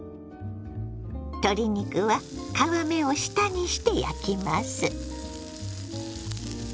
鶏肉は皮目を下にして焼きます。